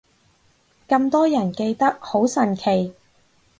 咁多人記得，好神奇